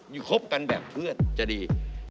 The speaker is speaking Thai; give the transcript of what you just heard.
คบกันแบบเพื่อนจะดี